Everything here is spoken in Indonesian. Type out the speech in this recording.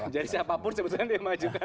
jadi siapa pur sebetulnya dia yang maju kan